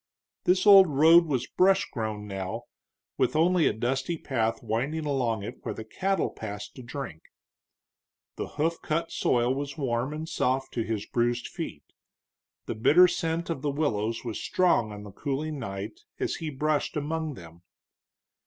This old road was brush grown now, with only a dusty path winding along it where the cattle passed to drink. The hoof cut soil was warm and soft to his bruised feet; the bitter scent of the willows was strong on the cooling night as he brushed among them.